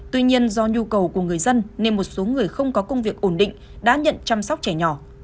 tuy nhiên do nhu cầu của người dân nên một số người không có công việc ổn định đã nhận chăm sóc trẻ nhỏ